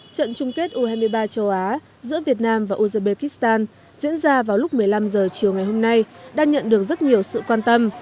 trận chung kết u hai mươi ba châu á giữa việt nam và uzbekistan diễn ra vào lúc một mươi năm h chiều ngày hôm nay đã nhận được rất nhiều sự quan tâm